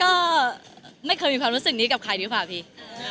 ก็ไม่เคยมีความรู้สึกนี้กับใครดีกว่าพี่